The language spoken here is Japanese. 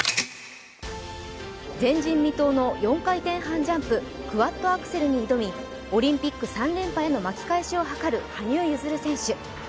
前人未到の４回転半ジャンプクワッドアクセルに挑み、オリンピック３連覇への巻き返しを図る羽生結弦選手。